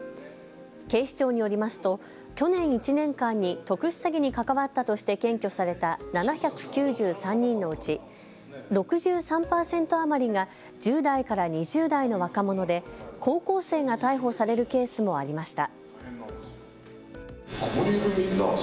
警視庁によりますと去年１年間に特殊詐欺に関わったとして検挙された７９３人のうち６３％余りが１０代から２０代の若者で高校生が逮捕されるケースもありました。